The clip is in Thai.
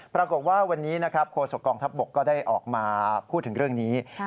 ปรากฏว่าวันนี้นะครับโฆษกองทัพบกก็ได้ออกมาพูดถึงเรื่องนี้